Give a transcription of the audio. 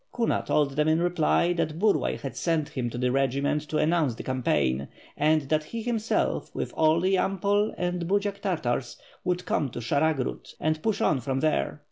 Kuna told them in reply that Bur * lay had sent him to the regiment to announce the campaign, and that he, himself, with all the Yampol and Budziak Tar tars would come to Sharagrod and push on from there.